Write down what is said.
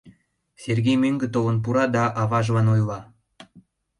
Сергей мӧҥгӧ толын пура да аважлан ойла: